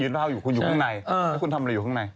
เหล้าอยู่คุณอยู่ข้างในแล้วคุณทำอะไรอยู่ข้างใน